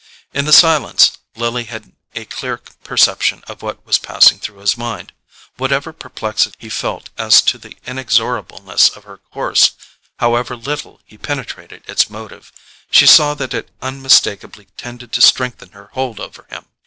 In the silence Lily had a clear perception of what was passing through his mind. Whatever perplexity he felt as to the inexorableness of her course—however little he penetrated its motive—she saw that it unmistakably tended to strengthen her hold over him.